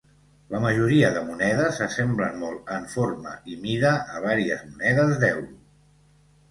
La majoria de monedes s'assemblen molt en forma i mida a varies monedes d'euro.